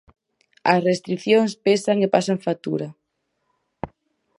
As restricións pesan e pasan factura.